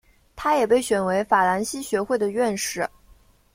他也被选为法兰西学会的院士。